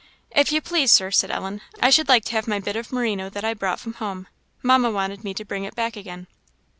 "If you please, Sir," said Ellen, "I should like to have my bit of merino that I brought from home; Mamma wanted me to bring it back again."